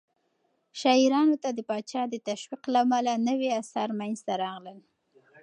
شاعرانو ته د پاچا د تشويق له امله نوي آثار منځته راغلل.